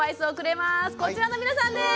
こちらの皆さんです！